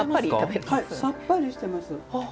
さっぱりしてます。